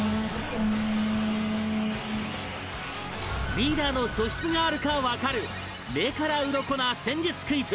リーダーの素質があるかわかる目からウロコな戦術クイズ